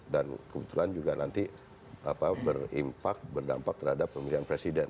dan kebetulan juga nanti berimpak berdampak terhadap pemilihan presiden